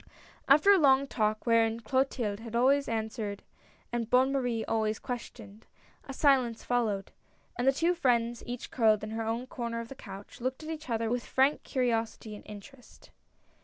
After a long talk, wherein Clotilde had always, answered and Bonne Marie always questioned, a silence followed, and the two friends, each curled in her own corner of the couch, looked at each other with frank curiosity and interest.